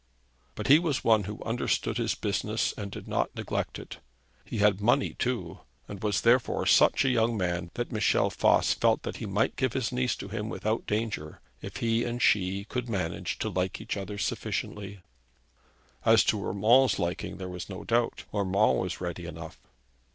But he was one who understood his business, and did not neglect it; he had money too; and was therefore such a young man that Michel Voss felt that he might give his niece to him without danger, if he and she could manage to like each other sufficiently. As to Urmand's liking, there was no doubt. Urmand was ready enough.